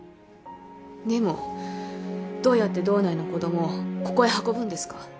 でもどうやって道内の子供をここへ運ぶんですか？